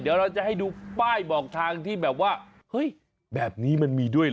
เดี๋ยวเราจะให้ดูป้ายบอกทางที่แบบว่าเฮ้ยแบบนี้มันมีด้วยเหรอ